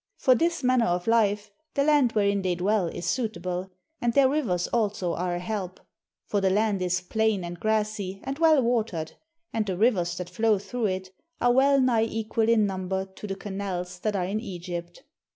For this manner of life the land wherein they dwell is suitable, and their rivers also are a help ; for the land is plain and grassy and well watered, and the rivers that flow through it are well nigh equal in number to the canals that are in Egypt.